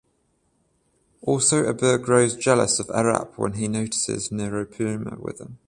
Also Abir grows jealous of Arup when he notices Nirupoma with him.